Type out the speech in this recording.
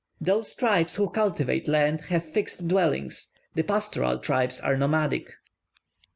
Those tribes who cultivate land have fixed dwellings; the pastoral tribes are nomadic.